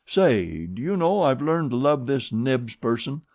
"Say, do you know I've learned to love this Knibbs person.